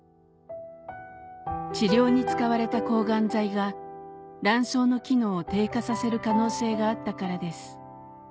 治療に使われた抗がん剤が卵巣の機能を低下させる可能性があったからです